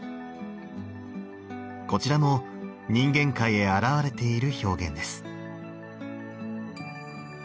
こちらも人間界へ現れている表現です。